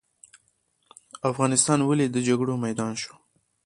افغانستان ولې د جګړو میدان شو؟